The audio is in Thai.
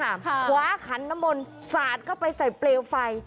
คว้าขันมนต์สาดเข้าไปใส่เปลวไฟ